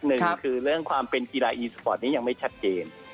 หนึ่งคือเรื่องความเป็นกีฬาอีสปอร์ตนี้ยังไม่ชัดเจน